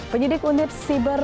penyidik unit siber